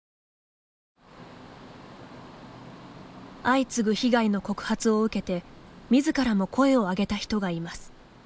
相次ぐ被害の告発を受けて自らも声を上げた人がいます。